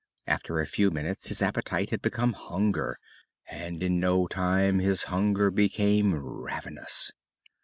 After a few minutes his appetite had become hunger and in no time his hunger became ravenous.